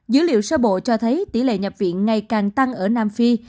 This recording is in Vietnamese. dữ liệu sơ bộ cho thấy tỷ lệ nhập viện ngày càng tăng ở nam phi